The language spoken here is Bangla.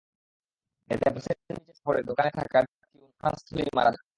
এতে বাসের নিচে চাপা পড়ে দোকানে থাকা টিটন ঘটনাস্থলেই মারা যান।